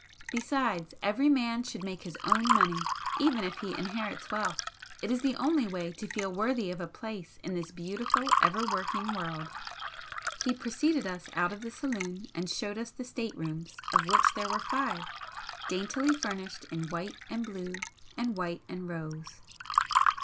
Besides, every man should make his own money even if he inherits wealth, it is the only way to feel worthy of a place in this beautiful, ever working world." He preceded us out of the saloon and showed us the State rooms, of which there were five, daintily furnished in white and blue and white and rose.